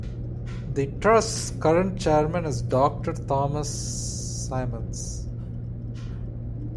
The Trust's current chairman is Doctor Thomas Symons.